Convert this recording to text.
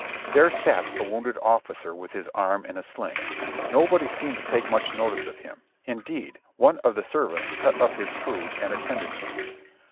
There sat a wounded officer with his arm in a sling; nobody seemed to take much notice of him ; indeed, one of the ser vants cut up his food and attended him.